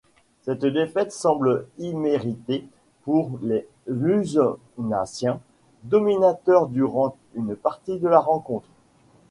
Cette défaite semble imméritée pour les Luzenaciens, dominateurs durant une partie de la rencontre.